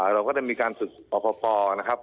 เราก็จะมีการฝึกรอปภนะครับ